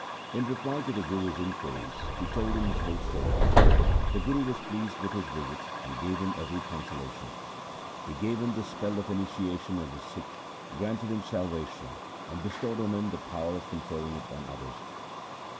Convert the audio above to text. In reply to the Guru's inquiries he told him his whole history. The Guru was pleased with his visit and gave him every consolation. He gave him the spell of initia tion as a Sikh, granted him salvation, and bestowed on him the power of conferring it on others.